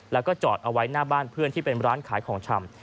แล้วก็จอดเอาไว้หน้าบ้านเพื่อนที่เป็นร้านขายของชำ